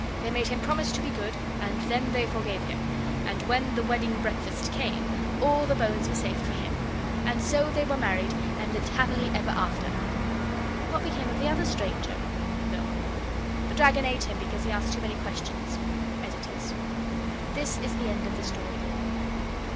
They made him promise to be good, and then they forgave him; and when the wedding breakfast came, all the bones were saved for him. And so they were married and lived happy ever after. (What became of the other stranger? NOEL. The dragon ate him because he asked too many questions. EDITORS.) This is the end of the story.